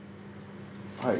はい。